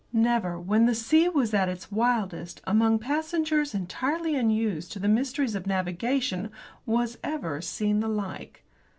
Never, when the sea was at its wildest, among passengers entirely unused to the mysteries of navigation, was ever seen the like.